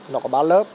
nó có ba lớp